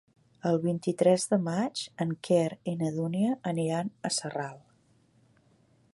El vint-i-tres de maig en Quer i na Dúnia aniran a Sarral.